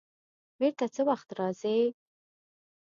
بېرته څه وخت راځې؟